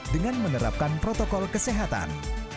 dengan menerapkan protokol kesehatan